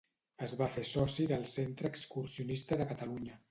Es va fer soci del Centre Excursionista de Catalunya.